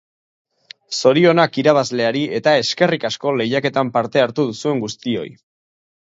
Zorionak irabazleari eta eskerrik asko lehiaketan parte hartu duzuen guztioi.